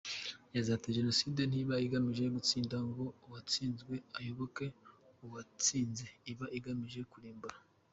Yagize ati “Jenoside ntiba igamije gutsinda ngo uwatsinzwe ayoboke uwatsinze, iba igamije kurimbura.